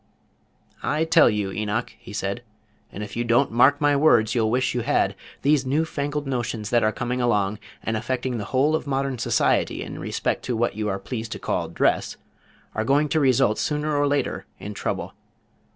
"I tell you, Enoch," he said, "and if you don't mark my words you'll wish you had, these new fangled notions that are coming along, and affecting the whole of modern society in respect to what you are pleased to call dress, are going to result sooner or later in trouble.